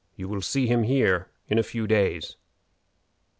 You will see him here in a few days."